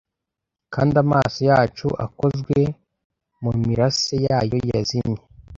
kandi amaso yacu akozwe mumirase yayo yazimye